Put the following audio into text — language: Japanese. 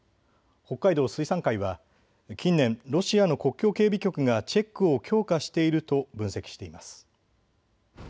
北海道水産会は近年、ロシアの国境警備局がチェックを強化していると分析しています。